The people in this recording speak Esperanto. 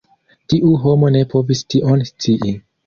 Tiu homo ne povis tion scii.